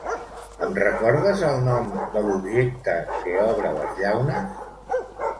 Em recordes el nom de l'objecte que obre les llaunes?